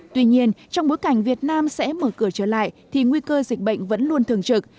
tuy nhiên trong bối cảnh việt nam sẽ mở cửa trở lại thì nguy cơ dịch bệnh vẫn luôn thường trực